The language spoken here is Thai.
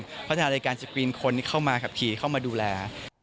เพราะฉะนั้นในการสกรีนคนเข้ามากับทีเข้ามาดูแล